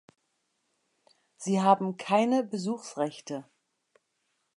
Sie haben keine Besuchsrechte.